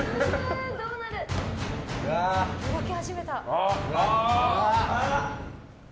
動き始めた。